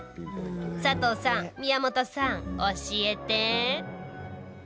佐藤さん、宮本さん、教えて。